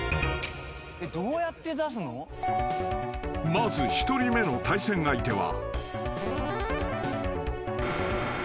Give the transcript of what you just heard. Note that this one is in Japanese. ［まず１人目の対戦相手は］